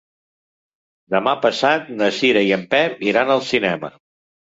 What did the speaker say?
Demà passat na Cira i en Pep iran al cinema.